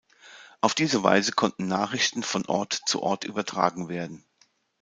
Auf diese Weise konnten Nachrichten von Ort zu Ort übertragen werden.